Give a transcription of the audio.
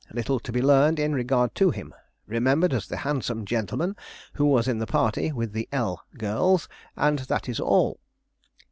Little to be learned in regard to him. Remembered as the handsome gentleman who was in the party with the L. girls, and that is all.